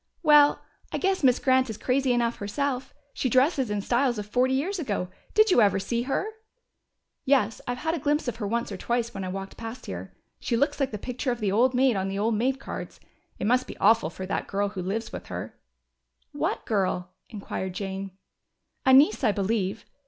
"Well, I guess Miss Grant is crazy enough herself. She dresses in styles of forty years ago. Did you ever see her?" "Yes, I've had a glimpse of her once or twice when I walked past here. She looks like the picture of the old maid on the old maid cards. It must be awful for that girl who lives with her." "What girl?" inquired Jane. "A niece, I believe.